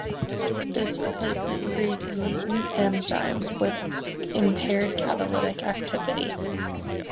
This replacement creates a mutant enzyme with impaired catalytic activity.